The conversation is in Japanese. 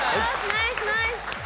ナイスナイス！